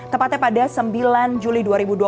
tepatnya pada sembilan juli dua ribu dua puluh